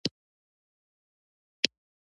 د پلاستیک جوړولو په صعنت کې زیاته استفاده کیږي.